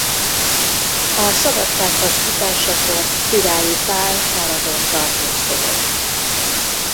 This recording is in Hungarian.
A szabadságharc bukásakor Királyi Pál Aradon tartózkodott.